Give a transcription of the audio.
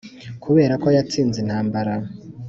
Kubera ko yatsinze intambara.